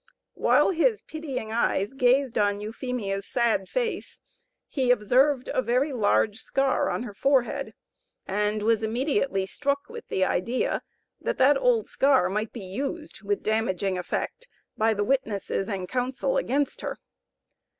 While his pitying eyes gazed on Euphemia's sad face, he observed a very large scar on her forehead, and was immediately struck with the idea that that old scar might be used with damaging effect by the witnesses and counsel against her.